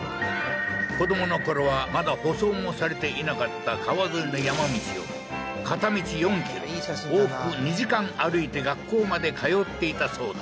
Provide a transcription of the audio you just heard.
子どものころはまだ舗装もされていなかった川沿いの山道を片道４ｋｍ往復２時間歩いて学校まで通っていたそうだ